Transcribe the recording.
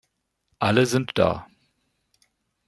Alle sind da.